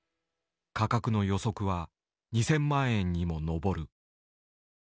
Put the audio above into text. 価格の予測は２，０００万円にも上る。